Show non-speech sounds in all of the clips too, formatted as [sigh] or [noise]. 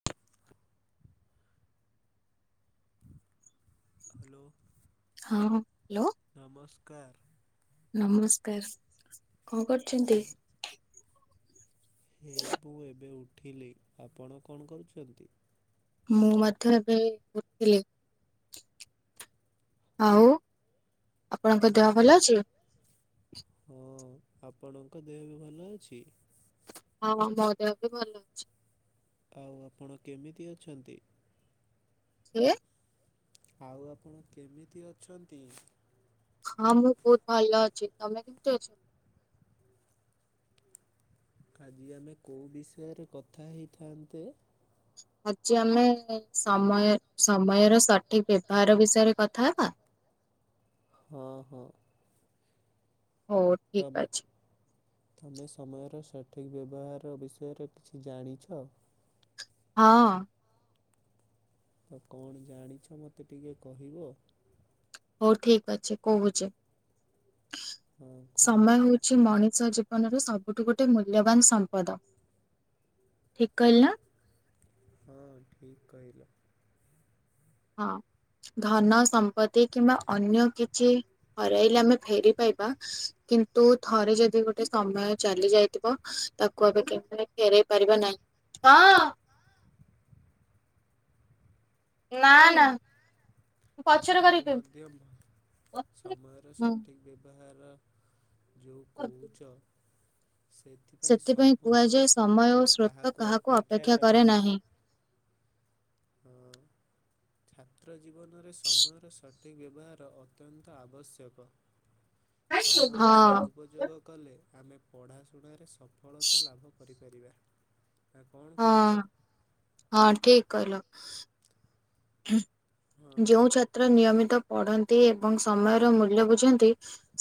[inaudible] Hello, ହଁ hello ନମସ୍କାର। ନମସ୍କାର। କଣ କରୁଛନ୍ତି? କେମ ହେଇ ମୁଁ ଏବେ ଉଠିଲି। ଆପଣ କଣ କରୁଛନ୍ତି? ମୁଁ ମଧ୍ୟ ଏବେ ଉଠିଲି। ଆଉ? ଆପଣଙ୍କ ଦେହ ଭଲ କେମିତିଆ ଅଛି? ଅ ଆପଣଙ୍କ ଦେହ ଏବେ ଭଲ ଅଛି? ହଁ, ମୋ ଦେହ ବି ଭଲ ଅଛି। ଆଉ ଆପଣ କେମିତି ଅଛନ୍ତି? କିଏ? ଆଉ ଆପଣ କେମିତି ଅଛନ୍ତି? ହଁ, ମୁଁ ବହୁତ ଭଲ ଅଛି। ତମେ କେମିତି ଅଛ? ଆଜି ଆମେ କୋଉ ବିଷୟରେ କଥା ହେଇଥାନ୍ତେ? ଆଜି ଆମେ ସମୟ-ସମୟର ସଠିକ ବ୍ୟବହାର ବିଷୟରେ କଥା ହେବା। ହଁ ହଁ। [unintelligible] ତମେ ଅଛି। ତମେ ସମୟର ସଠିକ୍ ବ୍ୟବହାର ବିଷୟରେ କିଛି ଜାଣିଛ? ହଁ। ତ କଣ ଜାଣିଛ ମୋତେ ଟିକେ କହିବ? ହଉ ଠିକ ଅଛି କହୁଛି। ହଁ କୁହ। ସମୟ ହଉ ଚି ମଣିଷ ଜୀବନର ସବୁଠୁ ଗୋଟେ ମୂଲ୍ୟବାନ ସମ୍ପଦ। ଠିକ କହିଲି ନା? ହଁ, ଠିକ କହିଲ। ହଁ, ଧନ, ସମ୍ ପତି କିମ୍ବା ଅନ୍ୟ କିଛି ହରାଇଲେ ଆମେ ଫେରି ପାଇବା। କି ନ୍ତୁ ଥରେ ଯଦି ଗୋଟେ ସମୟ ଚାଲି ଯାଇଥିବ, ତାକୁ ଆମେ କେବେ ଫେରେଇ ପାରିବା ନାହିଁ। ହଁ। ନା ନା। ମୁଁ ପଛରେ ମୁଁ କରିକି ମଧ୍ୟ କହିବି। ସମୟର ହୁଁ ସଠିକ୍ ବ୍ୟବହାର ଯୋଉ କହୁଛ, ସେ ଥିପାଇଁ ସେଥିପାଇଁ ସମୟ ଓ କୁହାଯାଏ ସମୟ ଓ ସ୍ରୋତ ସ୍ରୋତ କାହାକୁ ଅପେକ୍ଷା କରେ ନାହିଁ। ହଁ। ଛାତ୍ର ଜୀବନରେ ସମୟର ସଠିକ୍ ବ୍ୟବହାର ଅତ୍ୟନ୍ତ ଆବଶ୍ୟକ। [unintelligible] ସମୟ ହଁ। ସଦୁପଯୋଗ କଲେ ଆମେ ପଢ଼ାଶୁଣାରେ ସଫଳତା ଲାଭ କରିବା। କରିବା ତା କଣ ହଁ କହୁଛ? ହଁ ଠିକ କହିଁଲ ହଁ, ଯୋଉ ଛା ଯେଉଁ ନିୟମିତ ପଢ଼ନ୍ତି ଏବଂ ସମୟର ମୂଲ୍ୟ ବୁଝନ୍ତି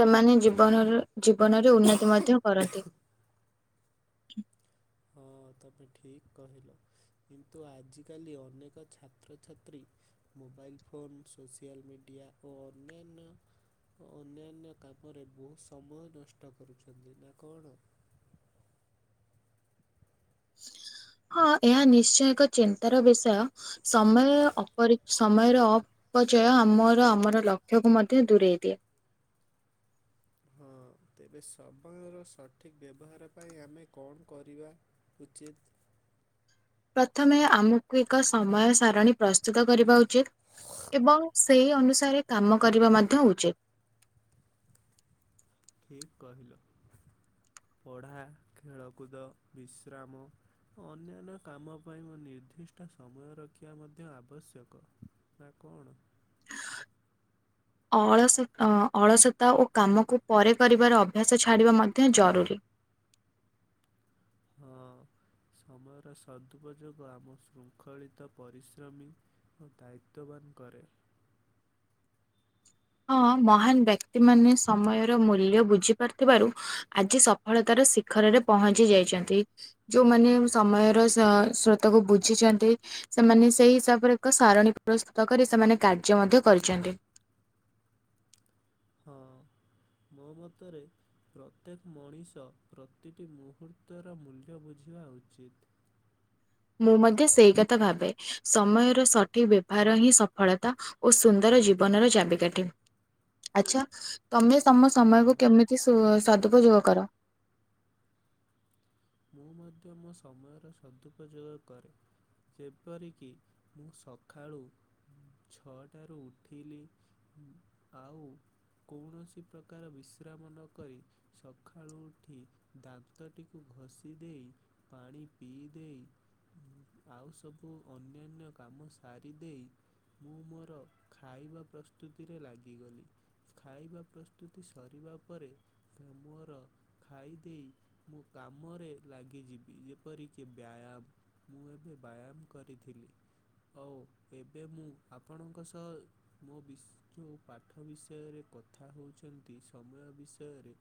ସେମାନେ ଜୀବନର ଜୀବନରେ ଉନ୍ନତି ମଧ୍ୟ କରନ୍ତି। ହଁ, ତମେ ଠିକ କହିଲ। କିନ୍ତୁ ଆଜିକାଲି ଅନେକ ଛାତ୍ରଛାତ୍ରୀ ମୋବାଇଲ ଫୋନ ସୋସିଆଲ ମିଡ଼ିଆ ଓ ଅନ୍ୟାନ୍ୟ ଅନ୍ୟାନ୍ୟ କାମରେ ବହୁତ ସମୟ ନଷ୍ଟ କରୁଛନ୍ତି। ନା କଣ? ହଁ, ଏହା ନିଶ୍ଚୟ ଏକ ଚିନ୍ତାର ବିଷୟ, ସମୟ ଅପରିଚ ସମୟର ଅପଚୟ ଆମର ଆମର ଲକ୍ଷ୍ୟକୁ ମଧ୍ୟ ଦୂରେଇ ଦିଏ। ହଁ, ତେବେ ସମୟର ସଠିକ୍ ବ୍ୟବହାର ପାଇଁ ଆମେ କଣ କରିବା ଉଚିତ? ପ୍ରଥମେ ଆମକୁ ଏକ ସମୟ ସାରଣୀ ପ୍ରସ୍ତୁତ କରିବା ଉଚିତ। ଏବଂ ସେଇ ଅନୁସାରେ କାମ କରିବା ମଧ୍ୟ ଉଚିତ। ଠିକ କହିଲ, ପଢ଼ା, ଖେଳକୁଦ, ବିଶ୍ରାମ ଅନ୍ୟାନ୍ୟ କାମ ପାଇଁ ମୋ ନିର୍ଦ୍ଦିଷ୍ଟ ସମୟ ରଖିବା ମଧ୍ୟ ଆବଶ୍ୟକ। ନା କଣ? ଅଳସ ଅ ଅଳସତା ଓ କାମକୁ ପରେ କରିବାର ଅଭ୍ୟାସ ଛାଡ଼ିବା ମଧ୍ୟ ଜରୁରୀ। ହଁ, ସମୟର ସଦୁପଯୋଗ ଆମ ଶୃଙ୍ଖଳିତ ପରିଶ୍ରମୀ ଓ ଦାୟିତ୍ୱବାନ କରେ। ହଁ ମହାନ ବ୍ୟକ୍ତି ମାନେ ସମୟର ମୂଲ୍ୟ ବୁଝି ପାରୁଥିବାରୁ, ଆଜି ସପ ସଫଳତାର ଶିଖରରେ ପହଞ୍ଚି ଯାଇଛନ୍ତି। ଯୋଉମାନେ ସମୟର ସ ସ୍ରୋତକୁ ବୁଝିଛନ୍ତି ସେମାନେ ସେଇ ହିସାବରେ ଏକ ସାରଣୀ ପ୍ରସ୍ତୁତ କରି, ସେମାନେ କାର୍ଯ୍ୟ ମଧ୍ୟ କରିଛନ୍ତି। ହଁ, ମୋ ମତରେ ପ୍ରତ୍ୟେକ ମଣିଷ ପ୍ରତିଟି ମୁହୂର୍ତ୍ତର ମୂଲ୍ୟ ବୁଝିବା ଉଚିତ। ମୁଁ ମଧ୍ୟ ସେଇ କଥା ଭାବେ, ସମୟର ସଠିକ ବ୍ୟବହାର ହିଁ ସଫଳତା ଓ ସୁନ୍ଦର ଜୀବନର ଚାବିକାଠି। ଆଚ୍ଛା ତମେ ତମ ହଁ, ସମୟକୁ କେମିତି ସୁ ସଦୁପଯୋଗ କର? ମୁଁ ମଧ୍ୟ ମୋ ସମୟର ସଦୁପଯୋଗ କରେ। ଯେପରିକି, ସଖାଳୁ ଛଅଟାରୁ ଉଠିଲି। ଆଉ କୌଣସି ପ୍ରକାର ବିଶ୍ରାମ ନକରି ସଖାଳୁ ଉଠି ଦାନ୍ତଟିକୁ ଘଷି ଇ ଦେଇ ପାଣି ପିଦେଇ ଆଉ ସବୁ ଅନ୍ୟାନ୍ୟ କାମ ସାରି ଦେଇ ମୁଁ ମୋର ଖାଇବା ପ୍ରସ୍ତୁତିରେ ଲାଗିଗଲି। ଖାଇବା ପ୍ରସ୍ତୁତି ସରିବା ପରେ, ମୁଁ ମୋର ଖାଇଦେଇ, ମୁଁ କାମରେ ଲାଗିଯିବି ଯେପରିକି ବ୍ୟାୟାମ, ମୁଁ ଏବେ ବ୍ୟାୟାମ କରିଥିଲି। ହଉ, ଏବେ ମୁଁ ଆପଣଙ୍କ ସହ ମୋ ବିସ ଯୋଉ ପାଠ ବିଷୟରେ କଥା ହଉଛନ୍ତି, ସମୟ ବିଷୟରେ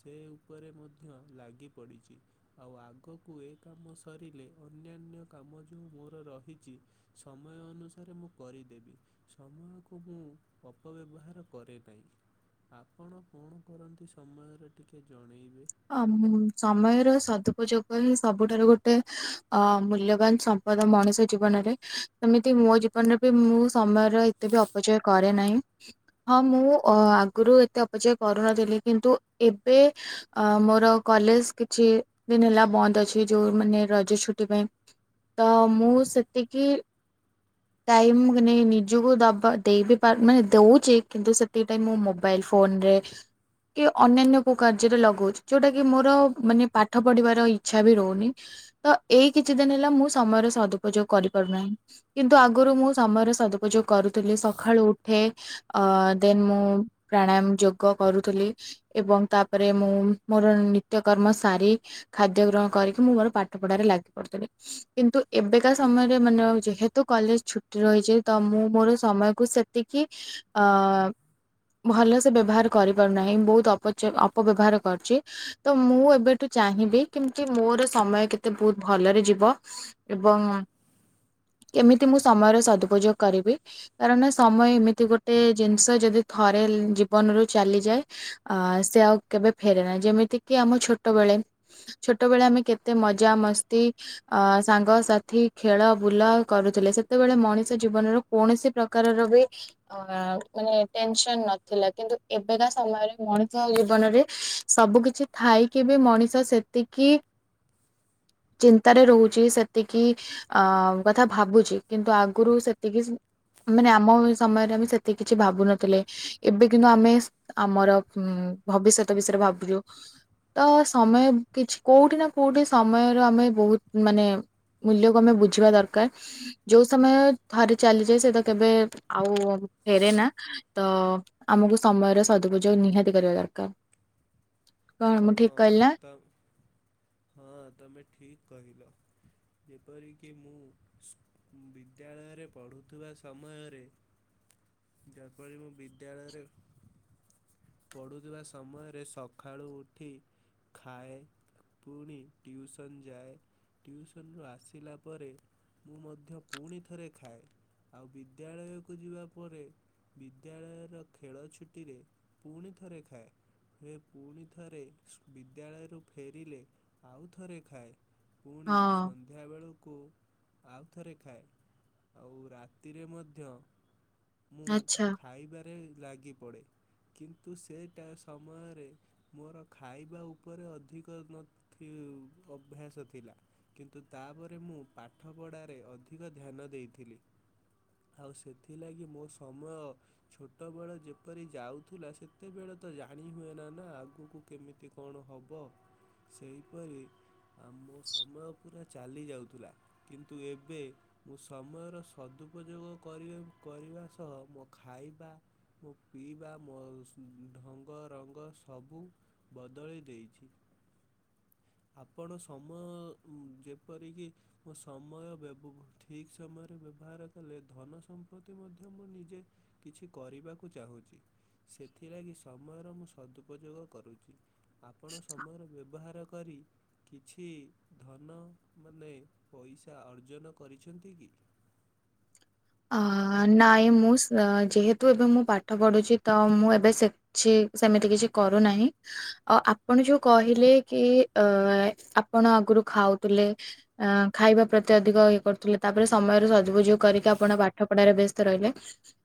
ସେ ଉପରେ ମଧ୍ୟ ଲାଗି ପଡ଼ିଛି। ଆଉ, ଆଗକୁ ଏ କାମ ସରିଲେ ଅନ୍ୟାନ୍ୟ କାମ ଯେଉଁ ମୋର ରହିଛି ସମୟ ଅନୁସାରେ ମୁଁ କରିଦେବି। ସମୟକୁ ମୁଁ ଅପ ବ୍ୟବହାର କରେ ନାହିଁ। ଆପଣ କଣ କରନ୍ତି, ସମୟର ଟିକେ ଜଣେଇବେ? ଅମ ସମୟର ସଦୁପଯୋଗ ହିଁ, ସବୁଠାରୁ ଗୋଟେ ଅ ମୂଲ୍ୟବାନ ସ ବଧେ ମଣିଷ ଜୀବନରେ ସେମିତି ମୋ ଜୀବନରେ ବି ମୁଁ ସମୟର ଏତେ ବି ଅପଚୟ କରେ ନାହିଁ। ହଁ, ମୁଁ ଅ ଆଗୁରୁ ଏତେ ଅପଚୟ କରୁନଥିଲି। କିନ୍ତୁ ଏବେ ଅ ମୋର କଲେଜ୍ କିଛି ଦିନ ହେଲା ବନ୍ଦ ଅଛି ଯୋଉ ମାନେ ରଜ ଛୁଟି ପାଇଁ। ତ ମୁଁ ସେତିକି ଟାଇମ୍ ମୁଁ କନେ ନିଜୁକୁ ଦବା ଦେଇ ବିି ପରୁ ମାନେ ଦଉଚି କିନ୍ତୁ ସେତିକି ଟାଇମ୍ ମୁଁ ମୋ ବାଇଲ୍ ଫୋନ୍ ରେ କି ଅନ୍ୟାନ୍ୟ କୋଉ କାର୍ଯ୍ୟରେ ଲ ଗଉଚି ଯୋଉଟା କି ମୋର ମାନେ ପାଠ ପଢ଼ିବାର ଇଚ୍ଛା ବି ରହୁନି। ତ ଏଇ କିଛି ଦିନ ହେଲା ମୁଁ ସମୟର ସଦୁପଯୋଗ କରି ପାରୁନାହିଁ। କିନ୍ତୁ ଆଗୁରୁ ମୁଁ ସମୟର ସଦୁପଯୋଗ କରୁଥୁଲି ସଖାଳୁ ଉଠେ ଅ ଦେନ୍ ମୁଁ ପ୍ରାଣାୟାମ ଯୋଗ କରୁଥୁଲି ଏବଂ ତାପରେ ମୁଁ ମୋର ନିତ୍ୟକର୍ମ ସାରି ଖାଦ୍ୟ ଗ୍ରହ କରିକି ମୁଁ ମୋର ପାଠ ପଢ଼ାରେ ଲାଗି ପଡ଼ୁଥୁଲି। କିନ୍ତୁ ଏବେକା ସମୟରେ ମାନେ ଆଉ ଯେହେତୁ କଲେଜ୍ ଛୁଟି ରହିଚି ତ ମୁଁ ମୋର ସମୟକୁ ସେ ତିକି ଅ ଭଲସେ ବ୍ୟବହାର କରିପାରୁ ନାହିଁ ବହୁତ ଅପଚ ଅପବ୍ୟବହାର କରଚି ତ ମୁଁ ଏବେଠୁ ଚାହିଁବି କେମତି ମୋର ସମୟ କେତେ ବହୁତ ଭଲରେ ଯିବ। ଏବଂ କେମିତି ମୁଁ ସମୟର ସଦୁପଯୋଗ କରିବି। କାରଣ ସମୟ ଏମିତି ଗୋଟେ ଜିନିଷ ଯଦି ଥରେ ଜୀବନରୁୁ ଚାଲିଯାଏ ଆ ସେ ଆଉ କେବେ ଫେରେ ନାହିଁ ଯେମିତି କିି ଆମ ଛୋଟବେଳେ। ଛୋଟବେଳେ ଆମେ କେତେ ମଜା, ମସ୍ତି ଅ ସାଙ୍ଗସାଥି ଖେଳ ବୁଲା କରୁଥୁଲେ ସେତେବେଳେ ମଣିଷ ଜୀବନରୁ କୌଣସି ପ୍ରକାରର ବି ଅ ମାନେ ଟେନ୍ସନ୍ ନଥିଲା କିନ୍ତୁ ଏବେକା ସମୟରେ ମଣିଷ ଜୀବନରେ ସବୁ କିଛି ଥାଇକି ବି ମଣିଷ ସେତିକି ଚିନ୍ତାରେ ରହୁଚି ସେତିକି ଅ କଥା ଭାବୁଚି କିନ୍ତୁ ଆଗୁରୁ ସେତିକି ମାନେ ଆମ ସମୟରେ ଆମେ ସେତିକି କିଛି ଭାବୁନଥିଲେ। ଏବେ କିନ୍ତୁ ଆମେ ଆମର ଉଁ ଭବିଷ୍ୟତ ବିଷୟରେ ଭାବୁଚୁ। ତ ସମୟ କିଛି କୋଉଠି ନାଁ କୋଉଠି ସମୟରୁ ଆମେ ବୋହୁତ ମାନେ ମୂଲ୍ୟକୁ ଆମେ ବୁଝିବା ଦରକାର। ଯୋଉ ସମୟ ଥରେ ଚାଲିଯାଏ ସେତ କେବେ ଆଉ ଫେରେ ନାଁ। ତ ଆମୁକୁ ସମୟର ସଦୁପଯୋଗ ନିହାତି କରିବା ଦରକାର। କଣ ମୁଁ ହଁ ଠିକ କହିଲି ନା ତ ହଁ ତମେ ଠିକ୍ କହିଲ। ଯେପରି କି ମୁଁ ସ୍ ବିଦ୍ୟାଳୟରେ ପଢ଼ୁଥୁବା ସମୟରେ ଯେପରି ମୁଁ ବିଦ୍ୟାଳୟରେ ପଢ଼ୁଥିବା ସମୟରେ ସଖାଳୁ ଉଠି ଖାଏ। ପୁଣି ଟ୍ୟୁସନ୍ ଯାଏ। ଟ୍ୟୁସନ୍ ରୁ ଆସିଲା ପରେ ମୁଁ ମଧ୍ୟ ପୁଣିଥରେ ଖାଏ। ଆଉ ବିଦ୍ୟାଳୟକୁ ଯିବା ପରେ ବିଦ୍ୟାଳୟର ଖେଳ ଛୁଟିରେ ପୁଣି ଥରେ ଖାଏ ରେ ପୁଣି ଥରେ ବିଦ୍ୟାଳୟରୁ ଫେରିଲେ ଆଉ ଥରେ ଖାଏ ପୁଣି ହଁ ସଂ ନ୍ଧ୍ୟା ବେଳୁକୁ ଆଉ ଥରେ ଖାଏ। ଆଉ ରାତିରେ ମଧ୍ୟ ମୁଁ ଆଚ୍ଛା ଖାଇବାରେ ଲାଗିପଡ଼େ କିନ୍ତୁ ସେଟା ସମୟରେ ମୋର ଖାଇବା ଉପରେ ଅଧିକ ନ ଥି ଅଭ୍ୟାସ ଥିଲା। କିନ୍ତୁ ତାପରେ ମୁଁ ପାଠପଢ଼ାରେ ଅଧିକ ଧ୍ୟାନ ଦେଇଥିଲି। ଆଉ ସେଥିଲାଗି ମୋ ସମୟ ଛୋଟବେଳ ଯେପରି ଯାଉଥୁଲା ସେତେବେଳେ ତ ଜାଣି ହୁଏ ନା ନା ଆ ଗୁକୁ କେମିତି କଣ ହବ ସେହିପରି ଆମ ସମୟ ପୁରା ଚାଲି ଯାଉଥିଲା। କିନ୍ତୁ ଏବେ ମୁଁ ସମୟର ସଦୁପଯୋଗ କରିବା, କରିବା ସହ ମୋ ଖାଇବା ମୋ ପିଇବା, ମୋ ଢଙ୍ଗ ରଙ୍ଗ ସବୁ ବଦଳି ଦେଇଛି। ଆପଣ ସମୟ ଯେପରିକି ମୋ ସମୟ ବ୍ୟବ ଠିକ୍ ସମୟରେ ବ୍ୟବହାର କଲେ ଧନ ସମ୍ପତ୍ତି ମଧ୍ୟ ମୁଁ ନିଜେ କିଛି କରିବାକୁ ଚାହୁଁଛି। ସେଥିଲାଗି ସମୟର ମୁଁ ସଦୁପଯୋଗ କରୁଛି। ଆପଣ ସମୟର ବ୍ୟବହାର କରି କିଛି ଧନ ମାନେ ପଇସା ଅର୍ଜନ କରିଛନ୍ତି କି? ହ ନାଇଁ ମୁଁ ସେ ଯେହେତୁ ଏବେ ମୁଁ ପାଠ ପଢୁଛି ତ ମୁଁ ଏବେ ସେ ଛି ସେମିତି କିଛି କରୁନାହିଁ। ଅ ଆପଣ ଯୋଉ କହିଲେ କି, ଅ ଆପଣ ଆଗରୁ ଖାଉଥିଲେ ଆ ଖାଇବା ପ୍ରତି ଅଧିକ ଇଏ କରୁଥିଲେ ତାପରେ ସମୟରେ ସଦୁପଯୋଗ କରିକି ଆ ଆପଣ ପାଠ ପଢାରେ ବ୍ୟସ୍ତ ରହିଲେ।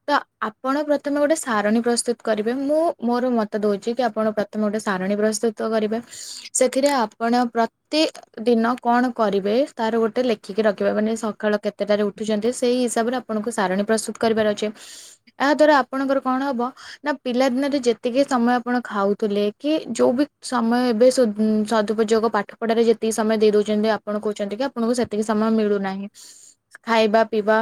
ତ ଆପଣ ପ୍ରଥମେ ଗୋଟେ ସାରଣୀ ପ୍ରସ୍ତୁତ କରିବେ। ମୁଁ ମୋର ମତ ଦଉଛି କି ଆପଣ ତମେ ଗୋଟେ ସାରଣୀ ପ୍ରସ୍ତୁତ କରିବା, ସେଥିରେ ଆପଣ ପ୍ରତି ଦିନ କଣ କରିବେ ତାର ଗୋଟେ ଲେଖିକି ରଖିବା। ମାନେ ସକାଳ କେତେଟାରେ ଉଠୁଛନ୍ତି ସେଇ ହିସାବରେ ଆପଣଙ୍କୁ ସାରଣୀ ପ୍ରସ୍ତୁତ କରିବାର ଅଛି। ଏହା ଦ୍ଵାରା ଆପଣଙ୍କର କଣ ହବ ନା ପିଲା ଦିନରେ ଯେତିକି ସମୟ ଆପଣ ଖାଉଥିଲେ କି ଯୋଉ ବି ସମୟ ଏବେ ସଦୁପଯୋଗ ପାଠ ପଢାରେ ଯେତିକି ସମୟ ଦେଇ ଦଉଛନ୍ତି, ଆପଣ କହୁଛନ୍ତି କି ଆପଣଙ୍କୁ ସେତିକି ସମୟ ମିଳୁନାହିଁ। ଖାଇବା ପିଇବା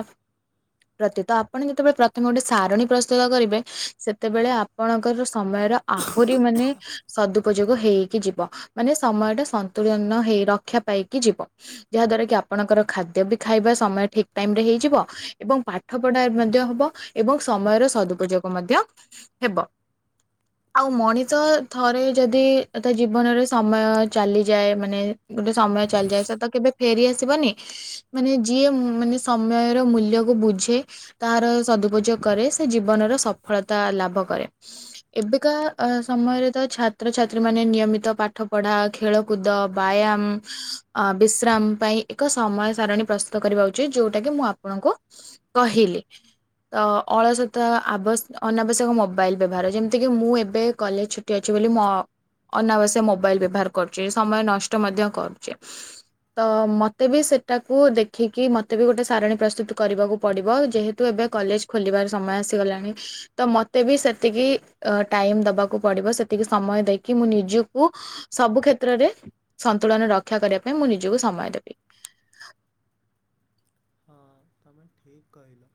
ପ୍ରତି, ତ ଆପଣ ଯେତେବେଳେ ପ୍ରଥମେ ଗୋଟେ ସାରଣୀ ପ୍ରସ୍ତୁତ କରିବେ, ସେତେବେଳେ ଆପଣଙ୍କର ସମୟର ଆହୁରି ମାନେ ସଦୁପଯୋଗ ହେଇକି ଯିବ ମାନେ ସମୟ ଟା ସନ୍ତୁଳନ ହେଇ ରକ୍ଷା ପାଇକି ଯିବ। ଯାହା ଦ୍ଵାରା କି ଆପଣଙ୍କର ଖାଦ୍ୟ ବି ଖାଇବା ସମୟ ଠିକ୍ ଟାଇମ୍ ରେ ହେଇଯିବ। ଏବଂ ପାଠ ପଢା ଏ ମଧ୍ୟ ହବ। ଏବଂ ସମୟର ସଦୁପଯୋଗ ମଧ୍ୟ ହେବ। ଆଉ ମଣିଷ ହଁ ଥରେ ଯଦି ତଥା ଜୀବନରେ ସମୟ ଚାଲିଯାଏ, ମାନେ ଗୋଟେ ସମୟ ଚାଲିଯାଏ ସେ ତ କେବେ ଫେରି ଆସିବନି। ମାନେ ଯିଏ ମାନେ ସମୟର ମୂଲ୍ୟକୁ ବୁଝେ ତାହାର ସଦୁପଯୋଗ କରେ ସେ ଜୀବନର ସଫଳତା ଲାଭ କରେ। ଏବେକା ସମୟରେ ତ ଛାତ୍ରଛାତ୍ରୀ ମାନେ ନିୟମିତ ପାଠ ପଢା ଖେଳକୁଦ, ବ୍ୟାୟାମ୍, ଅ ବିଶ୍ରାମ୍ ପାଇଁ ଏକ ସମୟ ସାରଣୀ ପ୍ରସ୍ତୁ କରିବା ଉଚିତ୍, ଯୋଉଟା କି ମୁଁ ଆପଣଙ୍କୁ କହିଲି। ତ ଅଳସତ, ଅନାବଶ୍ୟକ ମୋବାଇଲ୍ ବ୍ୟବହାର, ଯେମତି କିି ମୁଁ ଏବେ କଲେଜ ଛୁଟି ଅଛି ବୋଲି ମୋ ଅନାବଶ୍ୟକ, ମୋବାଇଲ୍ ବ୍ୟବହାର କରୁଛି। ସମୟ ନଷ୍ଟ ମଧ୍ୟ କରୁଛି। ତ ମତେ ବି ସେଟାକୁ ଦେଖିକି ମତେ ବି ଗୋଟେ ସାରଣୀ ପ୍ରସ୍ତୁତ୍ କରିବାକୁ ପଡ଼ିବ। ଯେହେତୁ ଏବେ କଲେଜ୍ ଖୋଲିବାର ସମୟ ଆସିଗଲାଣି। ତ ମତେ ବି ସେତିକି ଟାଇମ୍ ଦବାକୁ ପଡିବ। ସେତିକି ସମୟ ଦେଇକି ମୁଁ ନିଜକୁ ସବୁ କ୍ଷେତ୍ରରେ, ସନ୍ତୁଳନ ରକ୍ଷା କରିବା ପାଇଁ ମୁଁ ନିଜକୁ ସମୟ ଦେବି। ହଁ ତମେ ଠିକ୍ କହିଲ।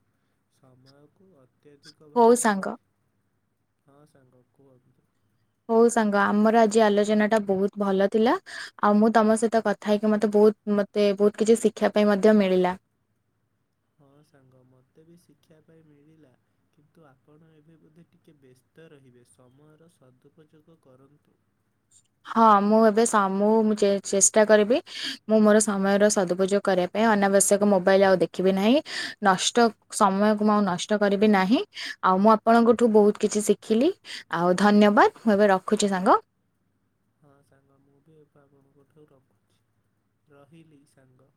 ସମୟକୁ ଅ ଅତ୍ୟଧିକ ହଉ ଭାବରେ। ସାଙ୍ଗ ହଁ ସାଙ୍ଗ କୁହନ୍ତୁ? ହୋଉ ସାଙ୍ଗ ଆମର ଆଜି ଆଲୋଚନା ଟା ବୋହୁତ୍ ଭଲ ଥିଲା। ଆଉ ମୁଁ ତମ ସହିତ କଥା ହେଇକି ମତେ ବୋହୁତ୍ ମତେ ବୋହୁତ୍ କିଛି ଶିଖିବା ପାଇଁ ମଧ୍ୟ ମିଳିଲା। ହଁ ସାଙ୍ଗ ମୋତେ ବି ଶିକ୍ଷା ପାଇଁ ମିଳିଲା। କିନ୍ତୁ ଆପଣ ଏବେ ବୋଧେ ଟିକେ ବ୍ୟସ୍ତ ରହିବେ? ସମୟର ସଦୁପଯୋଗ କରନ୍ତୁ। ହଁ ମୁଁ ଏବେ ସ- ମୁଁ ଚେ-ଚେଷ୍ଟା କରିବି ମୁଁ ମୋର ସମୟର ସଦୁପଯୋଗ କରେ। ପାଇଁ ଅନାବଶ୍ୟକ ମୋବାଇଲ୍ ଆଉ ଦେଖିବି ନାହିଁ। ନଷ୍ଟ ହଁ ସମୟକୁ ମୁଁ ଆଉ ନଷ୍ଟ କରିବି ନାହିଁ। ଆଉ ମୁଁ ଆପଣଙ୍କଠୁ ବହୁତ କିଛି ଶିଖିଲି। ଆଉ ଧନ୍ୟବାଦ। ମୁଁ ଏବେ ରଖୁଛି ସାଙ୍ଗ? ହଁ ସାଙ୍ଗ ମୁଁ ବି ଏବେ ଆପଣଙ୍କଠାରୁ ରଖୁଛି। ରହିଲି ସାଙ୍ଗ।